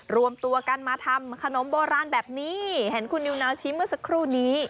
รวมตัวกันมาทำขนมโบราณแบบนี้เห็นคุณนิวนาวชี้เมื่อสักครู่นี้